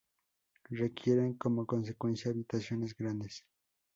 Requieren, como consecuencia habitaciones grandes.